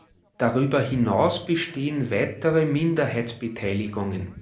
Darüber hinaus bestehen weitere Minderheitsbeteiligungen.